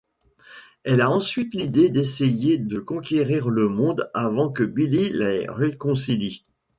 Elle a ensuite l’idée d’essayer de conquérir le monde avant que Billy les réconcilie.